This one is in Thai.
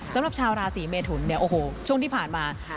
สำหรับชาวราศีเมถุนโอ้โหช่วงที่ผ่านมาใช่